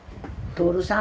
徹さん。